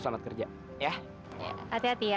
selamat kerja ya hati hati ya